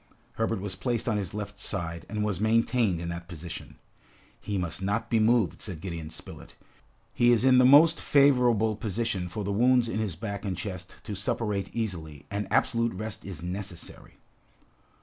Herbert was placed on his left side, and was maintained in that position. "He must not be moved." said Gideon Spilett. "He is in the most favorable position for the wounds in his back and chest to suppurate easily, and absolute rest is necessary."